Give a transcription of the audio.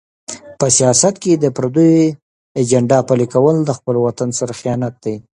په سیاست کې د پردیو ایجنډا پلي کول د خپل وطن سره خیانت دی.